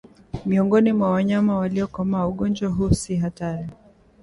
Miongoni mwa wanyama waliokomaa ugonjwa huu si hatari